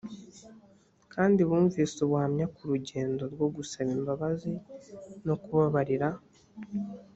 kandi bumvise ubuhamya ku rugendo rwo gusaba imbabazi no kubabarira